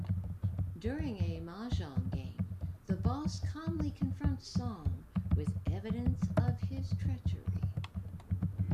During a mahjong game, the Boss calmly confronts Song with evidence of his treachery.